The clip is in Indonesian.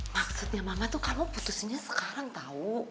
maksudnya mama tuh kamu putusinnya sekarang tahu